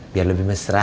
biar lebih mesra